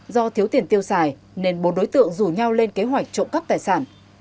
do thiếu tiền tiêu xài nên bốn đối tượng rủ nhau lên kế hoạch trộm cắp tài sản